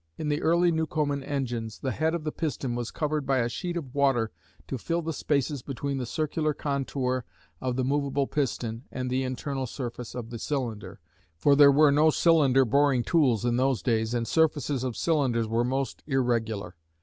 In the early Newcomen engines, the head of the piston was covered by a sheet of water to fill the spaces between the circular contour of the movable piston and the internal surface of the cylinder, for there were no cylinder boring tools in those days, and surfaces of cylinders were most irregular.